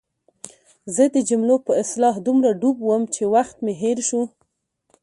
زه د جملو په اصلاح دومره ډوب وم چې وخت مې هېر شو.